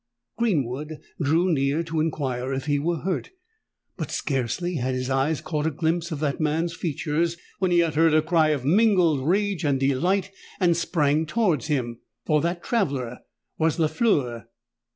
Greenwood drew near to inquire if he were hurt: but, scarcely had his eyes caught a glimpse of that man's features, when he uttered a cry of mingled rage and delight, and sprang towards him. For that traveller was Lafleur!